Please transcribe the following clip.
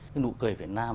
cái nụ cười việt nam